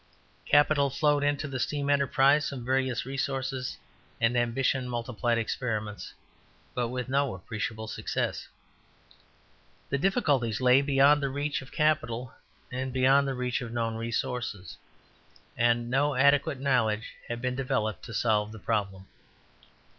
Capital flowed into the steam enterprise from various resources, and ambition multiplied experiments, but with no appreciable success. The difficulties lay beyond the reach of capital and beyond the reach of known resources, and no adequate knowledge had been developed to solve the problem.